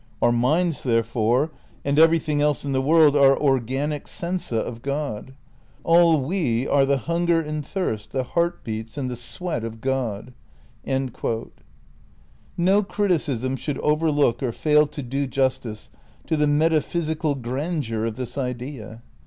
Our minds, therefore, and everything else in the world are 'organic sensa' of God. All we are the hunger and thirst, the heart beats and the sweat of God." ' No criticism should overlook or fail to do justice to the metaphysical grandeur of this idea.